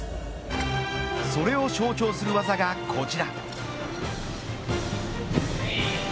それを象徴する技がこちら。